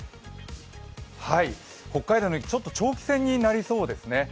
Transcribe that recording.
北海道の雪、ちょっと長期戦になりそうですね。